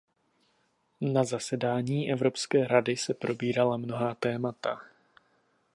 Na zasedání Evropské rady se probírala mnohá další témata.